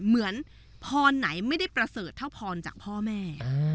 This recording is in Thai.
เหมือนพรไหนไม่ได้ประเสริฐเท่าพรจากพ่อแม่